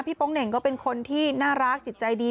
โป๊งเหน่งก็เป็นคนที่น่ารักจิตใจดี